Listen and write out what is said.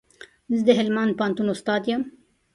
زه د هلمند پوهنتون استاد يم